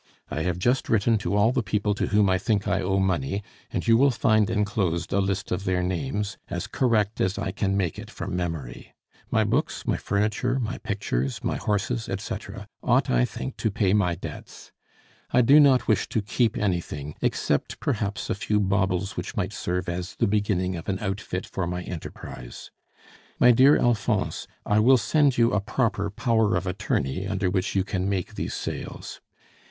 I have just written to all the people to whom I think I owe money, and you will find enclosed a list of their names, as correct as I can make it from memory. My books, my furniture, my pictures, my horses, etc., ought, I think, to pay my debts. I do not wish to keep anything, except, perhaps, a few baubles which might serve as the beginning of an outfit for my enterprise. My dear Alphonse, I will send you a proper power of attorney under which you can make these sales.